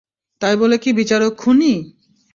তাই বলে কি বিচারক খুনী?